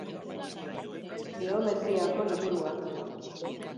Geometriako liburua.